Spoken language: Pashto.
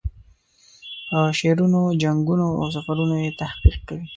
په شعرونو، جنګونو او سفرونو یې تحقیق کوي.